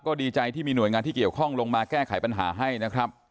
ก็ดีใจที่มีหน่วยงานที่เกี่ยวข้องลงมาแก้ไขปัญหาให้นะครับ